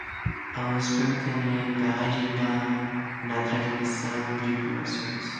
a espontaneidade na transmissão de informações